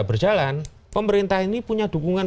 berjalan pemerintah ini punya dukungan